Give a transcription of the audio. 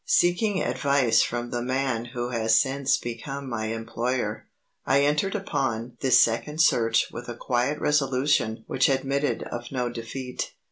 Seeking advice from the man who has since become my employer, I entered upon this second search with a quiet resolution which admitted of no defeat.